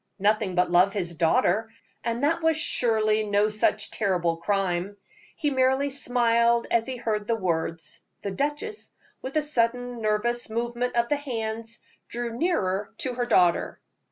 Nothing but love his daughter; and that was surely no such terrible crime. He merely smiled as he heard the words; the duchess, with a sudden nervous movement of the hands, drew nearer to her daughter.